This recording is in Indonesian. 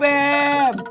tidak ada yang peduli